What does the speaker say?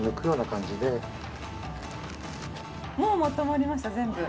もうまとまりました全部。